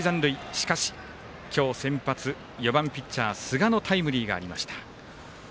しかし、今日先発４番、ピッチャー、寿賀のタイムリーがありました。